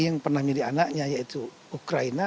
yang pernah menjadi anaknya yaitu ukraina